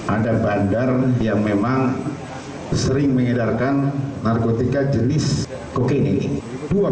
ada bandar yang memang sering mengidarkan narkotika jenis kokain ini